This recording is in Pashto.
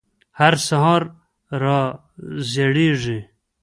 هر سهار را زیږي